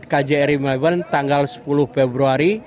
kjri melbourne tanggal sepuluh februari